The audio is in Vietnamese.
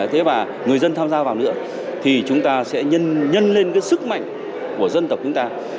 thế và người dân tham gia vào nữa thì chúng ta sẽ nhân lên cái sức mạnh của dân tộc chúng ta